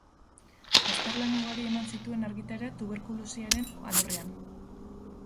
Azterlan ugari eman zituen argitara tuberkulosiaren alorrean.